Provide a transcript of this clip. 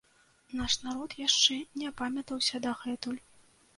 Наш народ яшчэ не апамятаўся дагэтуль.